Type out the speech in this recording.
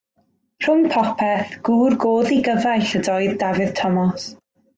Rhwng popeth, gŵr go ddigyfaill ydoedd Dafydd Tomos.